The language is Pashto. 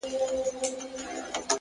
وخت د غفلت زیان نه پټوي!.